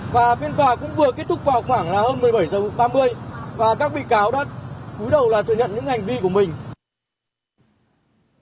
và phiên tòa cũng vừa kết thúc vào khoảng hơn một mươi bảy h ba mươi và các bị cáo đã cúi đầu là thừa nhận những hành vi của mình